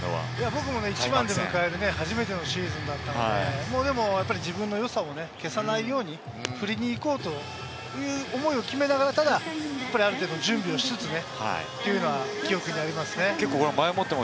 僕も１番で迎える初めてのシーズンだったので、でも自分の良さを消さないように振りにいこうという思いを決めながら、ただやっぱりある程度準備しつつね。